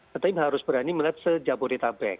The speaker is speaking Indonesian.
tetapi harus berani melihat sejauh bodetabek